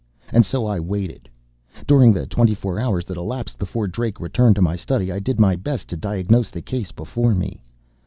And so I waited. During the twenty four hours that elapsed before Drake returned to my study, I did my best to diagnose the case before me.